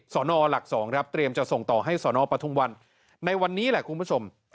สนหลัก๒ครับเตรียมจะส่งต่อให้สนปทุมวันในวันนี้แหละคุณผู้ชม